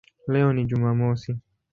Leo ni Jumamosi".